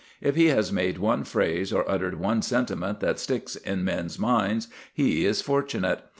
If he has made one phrase or uttered one sentiment that sticks in men's minds, he is fortunate.